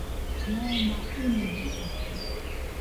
Moma inɨbide.